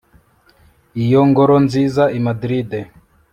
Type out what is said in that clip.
iyo ngoro nziza i madrid